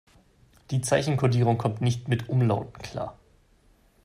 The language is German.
Die Zeichenkodierung kommt nicht mit Umlauten klar.